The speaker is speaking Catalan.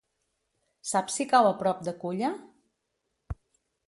Saps si cau a prop de Culla?